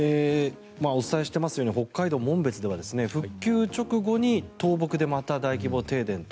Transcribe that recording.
お伝えしていますように北海道紋別では復旧直後に倒木でまた大規模停電と。